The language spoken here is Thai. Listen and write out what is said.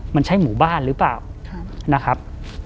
มันใช่หมู่บ้านหรือเปล่านะครับ